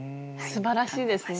すばらしいですね。